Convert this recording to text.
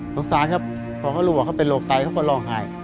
สงสารครับพอเขารู้ว่าเขาเป็นโรคไตเขาก็ร้องไห้